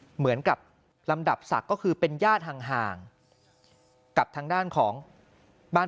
เหมือนกับลำดับศักดิ์ก็คือเป็นญาติห่างกับทางด้านของบ้าน